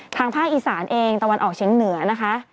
ทางภาคอีสานเองตะวันออกเชียงเหนือนะคะ